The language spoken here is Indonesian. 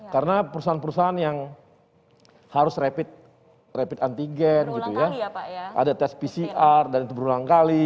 karena perusahaan perusahaan yang harus rapid antigen ada tes pcr dan itu berulang kali